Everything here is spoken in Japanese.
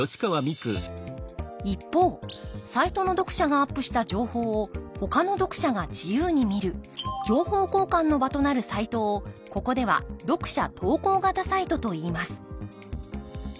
一方サイトの読者がアップした情報をほかの読者が自由に見る情報交換の場となるサイトをここでは読者投稿型サイトといいます